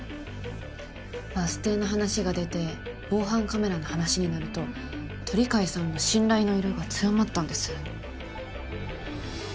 バス停の話が出て防犯カメラの話になると鳥飼さんの「信頼」の色が強まったんです。